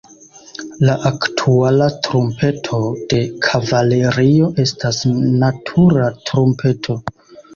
La aktuala trumpeto de kavalerio estas natura trumpeto.